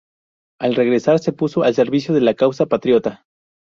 Al regresar, se puso al servicio de la causa patriota.